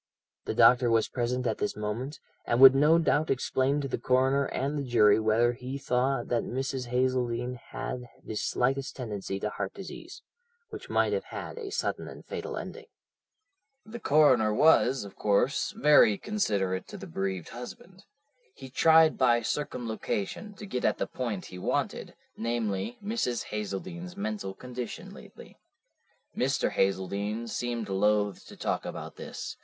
The doctor was present at this moment, and would no doubt explain to the coroner and the jury whether he thought that Mrs. Hazeldene had the slightest tendency to heart disease, which might have had a sudden and fatal ending. "The coroner was, of course, very considerate to the bereaved husband. He tried by circumlocution to get at the point he wanted, namely, Mrs. Hazeldene's mental condition lately. Mr. Hazeldene seemed loath to talk about this.